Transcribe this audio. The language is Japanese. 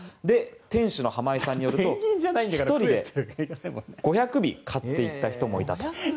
店主の浜井さんによると１人で５００尾買っていった人もいたと。